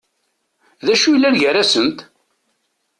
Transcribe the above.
D acu yellan gar-asent?